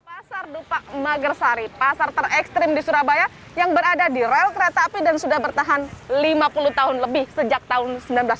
pasar dupak magersari pasar terekstrim di surabaya yang berada di rel kereta api dan sudah bertahan lima puluh tahun lebih sejak tahun seribu sembilan ratus sembilan puluh